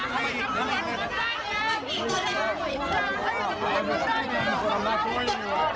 มันให้ผิดความร่วมของสมัย